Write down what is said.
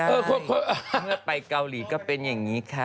เมื่อไปเกาหลีก็เป็นอย่างนี้ค่ะ